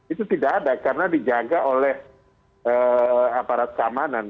itu tidak ada karena dijaga oleh aparat keamanan